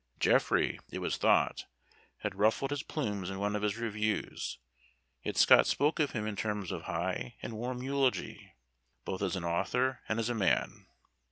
Jeffrey, it was thought, had ruffled his plumes in one of his reviews, yet Scott spoke of him in terms of high and warm eulogy, both as an author and as a man.